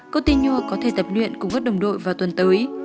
coutinho có thể tập luyện cùng các đồng đội vào tuần tới